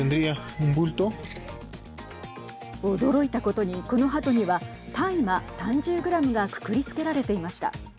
驚いたことに、このハトには大麻３０グラムがくくりつけられていました。